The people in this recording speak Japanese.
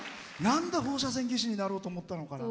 なんで放射線技師になろうと思ったのかな？